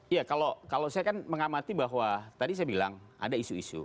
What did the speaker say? iya kalau saya kan mengamati bahwa tadi saya bilang ada isu isu